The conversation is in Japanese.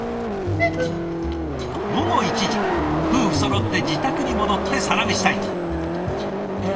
夫婦そろって自宅に戻ってサラメシタイム。